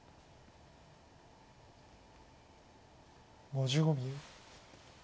５５秒。